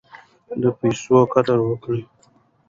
د پیسو قدر وکړئ.